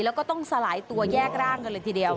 แล้วก็ต้องสลายตัวแยกร่างกันเลยทีเดียว